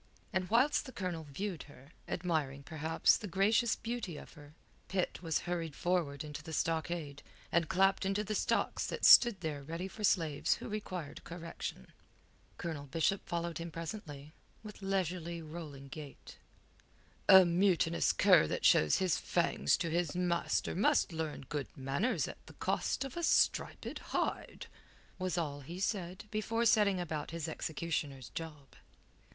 And whilst the Colonel viewed her, admiring, perhaps, the gracious beauty of her, Pitt was hurried forward into the stockade, and clapped into the stocks that stood there ready for slaves who required correction. Colonel Bishop followed him presently, with leisurely, rolling gait. "A mutinous cur that shows his fangs to his master must learn good manners at the cost of a striped hide," was all he said before setting about his executioner's job.